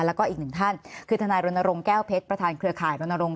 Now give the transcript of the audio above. แล้วก็อีกหนึ่งท่านคือทนายรณรงค์แก้วเพชรประธานเครือข่ายรณรงค